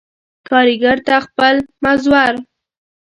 کاريګر ته خپل مز ور